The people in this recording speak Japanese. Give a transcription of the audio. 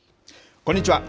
こんにちは。